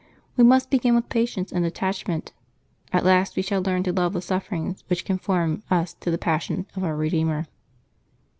We must begin with patience and detachment. At last we shall learn to love the sufferings which conform us to the Passion of our Eedeemer.